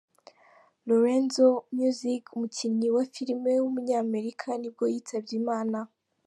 Lorenzo Music, umukinnyi wa film w’umunyamerika nibwo yitabye Imana.